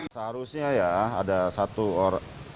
seharusnya ya ada satu orang